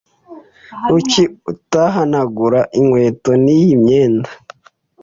Kuki utahanagura inkweto niyi myenda?